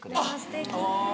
すてき。